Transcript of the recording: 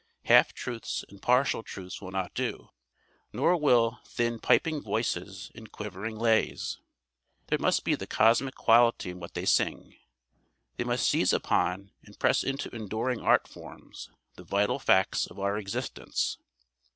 Half truths and partial truths will not do, nor will thin piping voices and quavering lays. There must be the cosmic quality in what they sing. They must seize upon and press into enduring art forms the vital facts of our existence.